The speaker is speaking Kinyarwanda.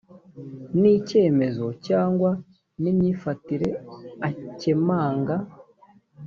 n icyemezo cyangwa n imyifatire akemanga